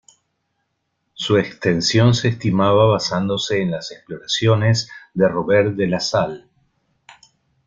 Su extensión se estimaba basándose en las exploraciones de Robert de La Salle.